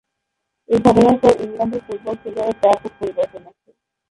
এ ঘটনার পর ইংল্যান্ডের ফুটবল স্টেডিয়ামে ব্যাপক পরিবর্তন আসে।